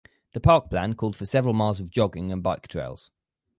The park plan called for several miles of jogging and bike trails.